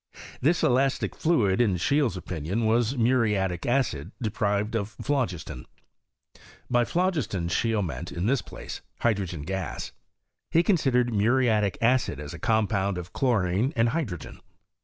This elastic fluid, in Scheele's opinion, was muriatic acid de prived of phlogiston. By phlogiston Scheele meant, in this place, hydrogen gas. He considered muriatic acid as a compound of chlorine and hydrogen.